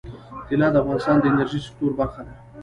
طلا د افغانستان د انرژۍ سکتور برخه ده.